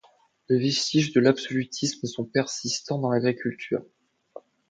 Les vestiges de l'absolutisme sont persistants dans l'agriculture.